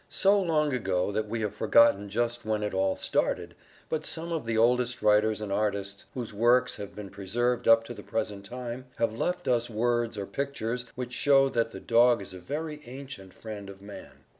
So long ago that we have forgotten just when it all started, but some of the oldest writers and artists whose works have been preserved up to the present time have left us words or pictures which show that the dog is a very ancient friend of man.